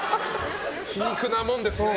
皮肉なもんですね。